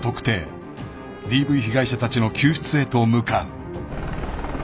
［ＤＶ被害者たちの救出へと向かう］